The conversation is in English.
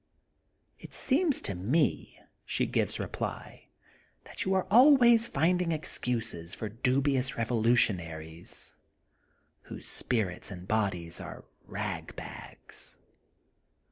'' *'It seems to me,'* she gives reply, *'that you are always finding excuses for dubious revolutionaries, whose spirits and bodies are rag bags."